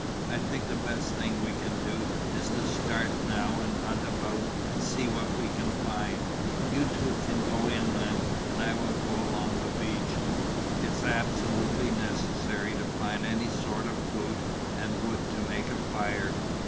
I think the best thing we can do is to start now and hunt about and see what we can find. You two can go inland, and I will go along the beach. It's absolutely necessary to find any sort of food, and wood to make a fire."